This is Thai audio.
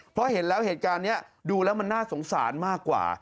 เพราะเห็นแล้วเหตุการณ์นี้ดูแล้วมันน่าสงสารมากกว่า